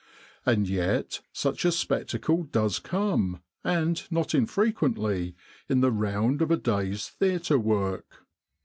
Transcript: And yet such a spectacle does come, ancl not infrequently, in the round of a day's theatre work.